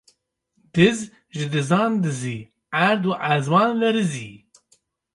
Diz ji dizan dizî, erd û ezman lerizî